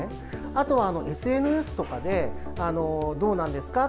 あとはＳＮＳとかで、どうなんですか？